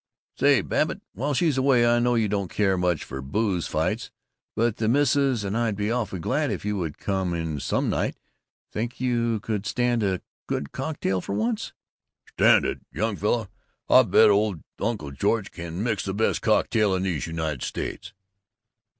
"Say, Babbitt, while she's away I know you don't care much for booze fights, but the Missus and I'd be awfully glad if you could come in some night. Think you could stand a good cocktail for once?" "Stand it? Young fella, I bet old Uncle George can mix the best cocktail in these United States!"